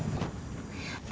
ntutu pasti seneng boneka